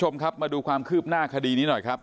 มาดูความคืบหน้าคดีนี้หน่อยครับ